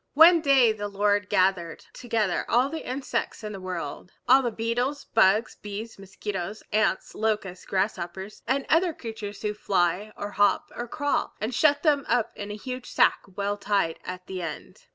One day the Lord gathered together all the insects in the world, all the beetles, bugs, bees, mosquitoes, ants, locusts, grasshoppers, and other creatures who fly or hop or crawl, and shut them up in a huge sack well tied at the end.